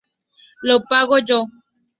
Lo pago yo.